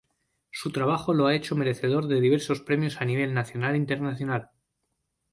Su trabajo lo ha hecho merecedor de diversos premios a nivel nacional e internacional.